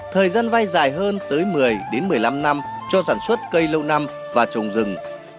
thời gian vay dài hơn tới một mươi đến một mươi năm năm cho sản xuất cây lâu năm và trồng rừng